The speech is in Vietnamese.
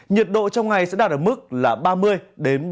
nhiệt độ trong ngày sẽ đạt được mức là ba mươi đến ba mươi ba độ